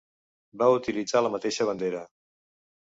Va utilitzar la mateixa bandera.